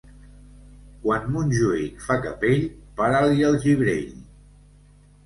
Quan Montjuïc fa capell, para-li el gibrell.